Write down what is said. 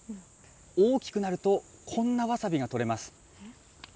大きくなると、こんなわさびが取れます。